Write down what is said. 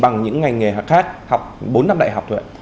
bằng những ngành nghề khác bốn năm đại học thôi ạ